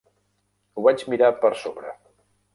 Ho vaig mirar per sobre.